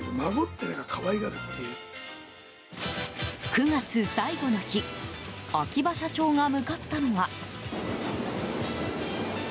９月最後の日秋葉社長が向かったのは？